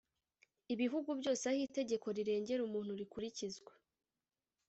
Ibihugu byose aho itegeko rirengera umuntu rikurikizwa